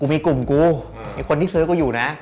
กูมีกลุ่มกูมีคนที่เซอร์กูอยู่นะ